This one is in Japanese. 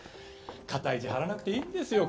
肩ひじ張らなくていいんですよ